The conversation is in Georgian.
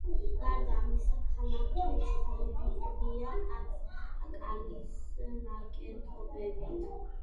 გარდა ამისა, ქალაქი ცნობილია კალის ნაკეთობებით.